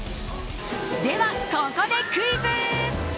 では、ここでクイズ！